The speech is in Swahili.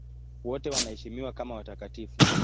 Wote wanaheshimiwa kama watakatifu.